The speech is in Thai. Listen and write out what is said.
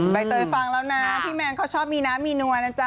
ใบเตยฟังแล้วนะพี่แมนเขาชอบมีน้ำมีนัวนะจ๊